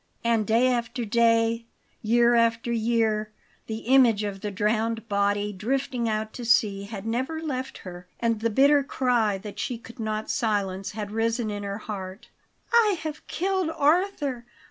And day after day, year after year, the image of the drowned body drifting out to sea had never left her, and the bitter cry that she could not silence had risen in her heart: "I have killed Arthur!